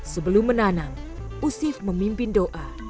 sebelum menanam usif memimpin doa